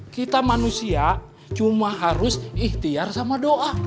kita manusia cuma harus ikhtiar sama doa